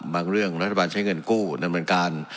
เรื่องรัฐบาลใช้เงินกู้ดำเนินการ